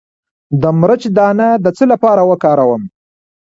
د مرچ دانه د څه لپاره وکاروم؟